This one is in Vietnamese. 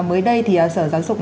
và mới đây thì sở giáo dục